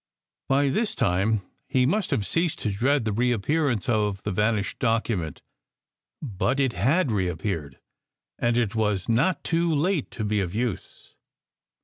By this time he must have ceased to dread the reappear ance of the vanished document; but it had reappeared, and it was not too late to be of use.